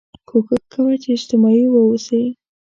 کوښښ کوه چې اجتماعي واوسې